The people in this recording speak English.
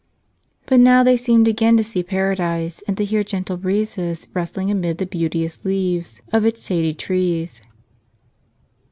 But now they seemed again to see Paradise and to hear gentle breezes rustling amid the beauteous leaves of its shady trees.